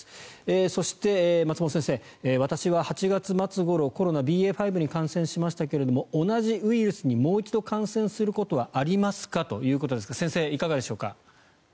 そして、松本先生私は８月末ごろコロナＢＡ．５に感染しましたけれども同じウイルスにもう一度感染することはありますかということですが先生、いかがでしょうか。